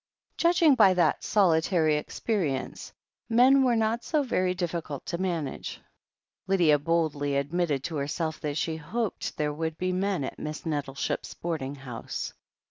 Judging by that solitary experience, men were not so very difficult to manage. Lydia boldly admitted to herself that she hoped there would be men at Miss Nettleship's boarding house.